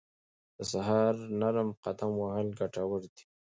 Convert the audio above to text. د سهار نرم قدم وهل ګټور دي.